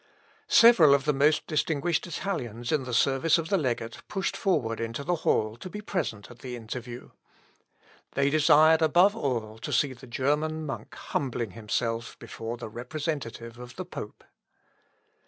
Several of the most distinguished Italians in the service of the legate pushed forward into the hall to be present at the interview. They desired above all to see the German monk humbling himself before the representative of the pope.